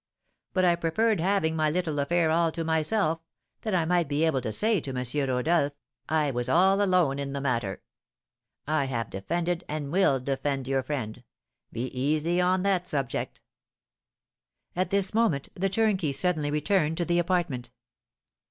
But I preferred having my little affair all to myself, that I might be able to say to M. Rodolph, 'I was all alone in the matter. I have defended and will defend your friend, be easy on that subject.'" At this moment the turnkey suddenly returned to the apartment.